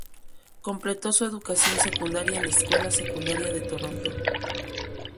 Completó su educación secundaria en la escuela secundaria de Toronto.